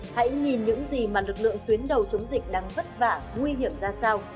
hãy nhìn những gì mà lực lượng tuyến đầu chống dịch đang vất vả nguy hiểm ra sao